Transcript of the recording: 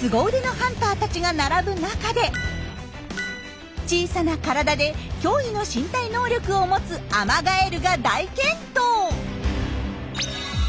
スゴ腕のハンターたちが並ぶ中で小さな体で驚異の身体能力を持つアマガエルが大健闘！